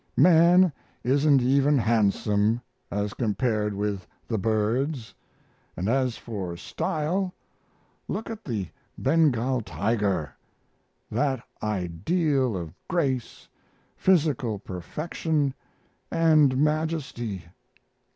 Man isn't even handsome, as compared with the birds; and as for style, look at the Bengal tiger that ideal of grace, physical perfection, and majesty.